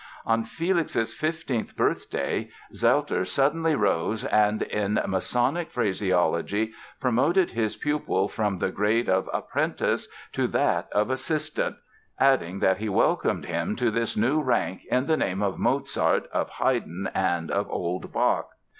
On Felix's fifteenth birthday, Zelter suddenly rose and, "in masonic phraseology", promoted his pupil from the grade of "apprentice" to that of "assistant", adding that he welcomed him to this new rank "in the name of Mozart, of Haydn and of old Bach".